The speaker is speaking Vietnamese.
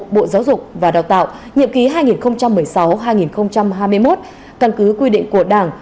bộ giáo dục và đào tạo nhiệm ký hai nghìn một mươi sáu hai nghìn hai mươi một căn cứ quy định của đảng